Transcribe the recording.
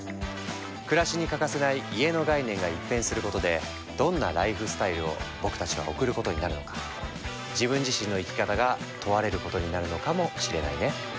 暮らしに欠かせない家の概念が一変することでどんなライフスタイルを僕たちは送ることになるのか自分自身の生き方が問われることになるのかもしれないね。